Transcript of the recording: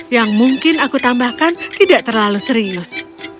yang mungkin aku tambahkan tidak terlalu serius